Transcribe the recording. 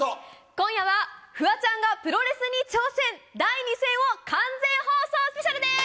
今夜は、フワちゃんがプロレスに挑戦、第２戦を完全放送スペシャルです。